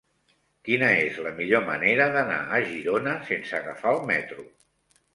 Quina és la millor manera d'anar a Girona sense agafar el metro?